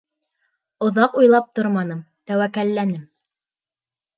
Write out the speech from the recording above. Оҙаҡ уйлап торманым, тәүәккәлләнем.